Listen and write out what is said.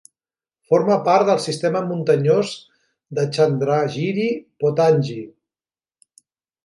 Forma part del sistema muntanyós de Chandragiri-Pottangi.